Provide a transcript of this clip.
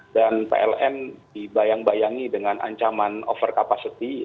dan pln dibayang bayangi dengan ancaman overcapacity